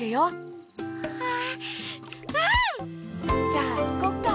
じゃあいこっか？